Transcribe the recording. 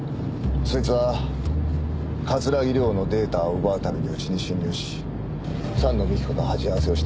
そいつは桂木涼のデータを奪うために家に侵入し山王美紀子と鉢合わせをした。